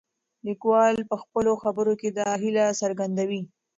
لیکوال په خپلو خبرو کې دا هیله څرګندوي.